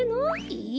えっ？